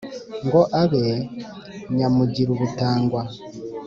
ngo abe nyamugirubutangwa